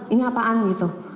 ini apaan gitu